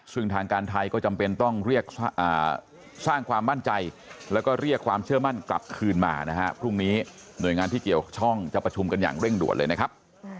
ซึ่งทางการไทยก็จำเป็นต้องเรียกสร้างความมั่นใจแล้วก็เรียกความเชื่อมั่นกลับคืนมานะฮะพรุ่งนี้หน่วยงานที่เกี่ยวข้องจะประชุมกันอย่างเร่งด่วนเลยนะครับ